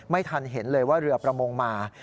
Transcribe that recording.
ไม่ทันเห็นเลยว่าเรือประมงมา